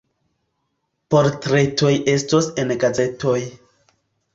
Portretoj estos en gazetoj.